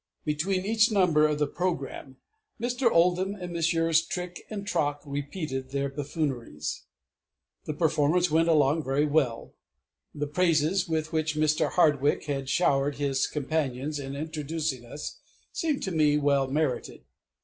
Between each number of the program Mr. Oldham, and Messrs. Trick and Trock repeated their buffooneries. The performance went along very well. The praises with which Mr. Hardwick had showered his companions in introducing us seemed to me well merited.